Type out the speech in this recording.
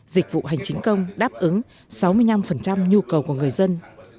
dịch vụ hành chính công đáp ứng sáu mươi năm nhu cầu của người dân